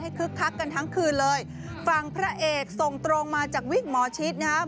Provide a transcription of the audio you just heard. คึกคักกันทั้งคืนเลยฝั่งพระเอกส่งตรงมาจากวิกหมอชิดนะครับ